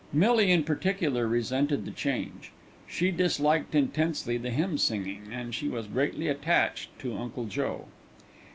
Millie in particular resented the change. She disliked intensely the hymn singing, and she was greatly attached to "Uncle Joe."